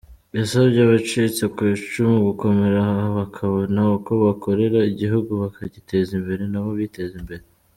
Yasabye abacitse ku icumu gukomera bakabona uko bakorera igihugu bakagiteza imbere nabo biteza imbere.